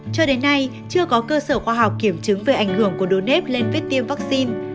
cho đến nay chưa có cơ sở khoa học kiểm chứng về ảnh hưởng của đồn nếp lên vết tiêm vaccine